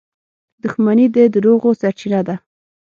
• دښمني د دروغو سرچینه ده.